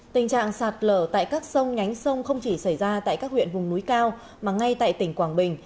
tình trạng sạt lở tại các sông nhánh sông không chỉ xảy ra tại các huyện vùng núi cao mà ngay tại tỉnh quảng bình